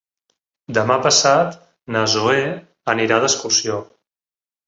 Demà passat na Zoè anirà d'excursió.